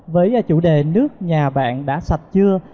với chủ đề nước nhà bạn đã sạch chưa